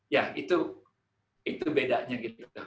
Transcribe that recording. ya itu bedanya gitu